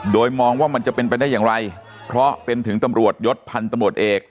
โดยมองว่ามันจะเป็นไปได้อย่างไรเพราะเป็นถึงตำรวจยศพันธุ์ตำรวจเอก